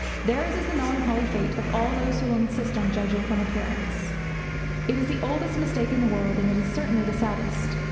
Theirs is the melancholy fate of all those who will insist on judging from appearances. It is the oldest mistake in the world, and it is certainly the saddest.